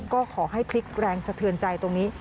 ก็ขอให้พลิกแรงสะเทือนใจตรงนี้